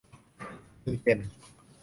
นิวเจน